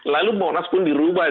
lalu monas pun dirujuk